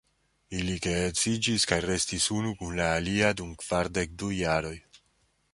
Ili geedziĝis kaj restis unu kun la alia dum kvardek-du jaroj.